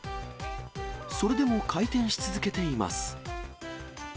それでも回転し続けています。